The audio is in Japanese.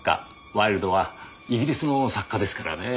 ワイルドはイギリスの作家ですからねぇ。